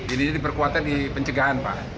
ini diperkuatnya di pencegahan pak